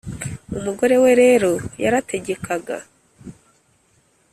. Umugore we rero yaratekaga